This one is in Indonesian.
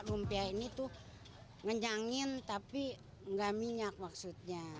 lumpia ini tuh ngenyangin tapi nggak minyak maksudnya